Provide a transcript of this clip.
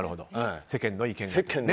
世間の意見が。